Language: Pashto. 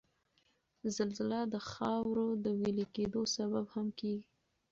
زلزله د د خاورو د ویلي کېدو سبب هم کیږي